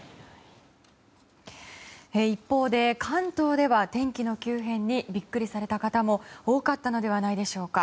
一方で、関東では天気の急変にビックリされた方も多かったのではないでしょうか。